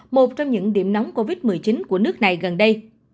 một trong những điểm nóng covid một mươi chín của nước này gần đây